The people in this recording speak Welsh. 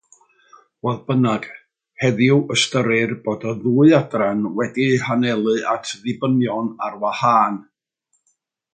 Fodd bynnag, heddiw ystyrir bod y ddwy adran wedi'u hanelu at ddibenion ar wahân.